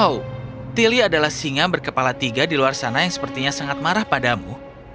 oh tili adalah singa berkepala tiga di luar sana yang sepertinya sangat marah padamu